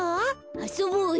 あそぼうよ。